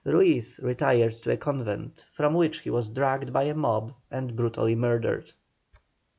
Ruiz retired to a convent, from which he was dragged by a mob and brutally murdered.